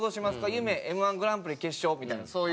「夢Ｍ−１グランプリ決勝」みたいなそういう。